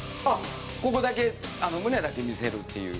ここだけ胸だけ見せるっていう。